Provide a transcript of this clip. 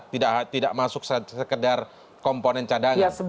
tidak masuk sekedar komponen cadangan